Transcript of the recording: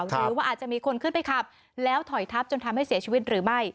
หรือว่าอาจจะมีคนขึ้นไปขับแล้วถอยทับจนทำให้เสียชีวิตหรือไม่